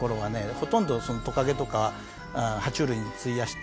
ほとんどトカゲとか爬虫類に費やして。